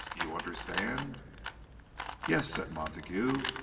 Do you understand?" "Yes," said Montague.